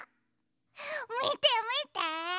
みてみて！